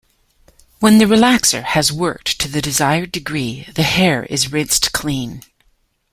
When the relaxer has worked to the desired degree, the hair is rinsed clean.